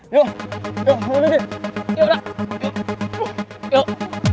yuk yuk yuk